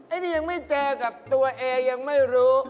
อันนี้ยังไม่เจอกับตัวเองยังไม่รู้